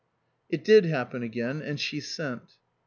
It did happen again, and she sent.